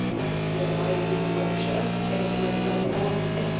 He arrived in Yorkshire, Edfwavd Longbond, Esq.